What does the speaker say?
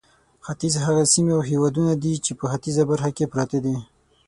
ختیځ هغه سیمې او هېوادونه دي چې په ختیځه برخه کې پراته دي.